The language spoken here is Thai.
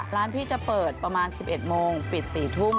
ร้านพี่จะเปิดประมาณ๑๑โมงปิด๔ทุ่ม